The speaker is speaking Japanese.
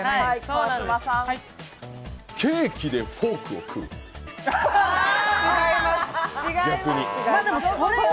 ケーキでフォークを食う、逆に。